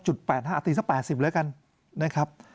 จุด๘๕อาตรีซะ๘๐แล้วกันนะครับ